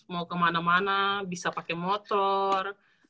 mau kemana mana bisa pakai motor